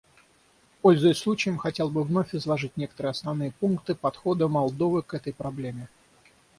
Пользуясь случаем, хотел бы вновь изложить некоторые основные пункты подхода Молдовы к этой проблеме.